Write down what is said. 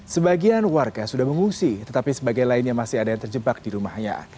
sebagian warga sudah mengungsi tetapi sebagian lainnya masih ada yang terjebak di rumahnya